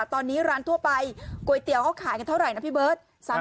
ตอนนี้ร้านทั่วไปก๋วยเตี๋ยวเขาขายกันเท่าไหร่นะพี่เบิร์ต